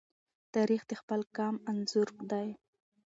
تاریخ د خپل قام انځور دی.